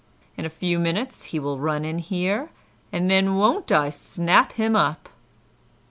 In a few minutes he will run in here, and then won't I snap him up!"